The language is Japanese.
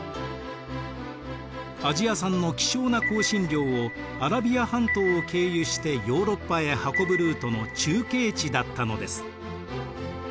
アジア産の希少な香辛料をアラビア半島を経由してヨーロッパへ運ぶルートの中継地だったのです。